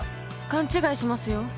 勘違いしますよ。